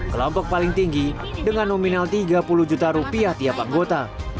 kelompok paling tinggi dengan nominal tiga puluh juta rupiah tiap anggota